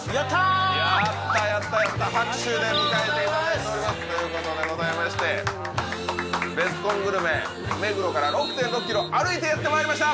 やったやったやった拍手で迎えていただいておりますということでございましてベスコングルメ目黒から６．６ｋｍ歩いてやってまいりました！